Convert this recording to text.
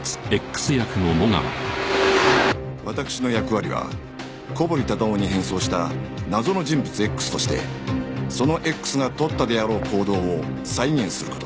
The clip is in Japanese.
私の役割は小堀忠夫に変装した謎の人物 Ｘ としてその Ｘ が取ったであろう行動を再現する事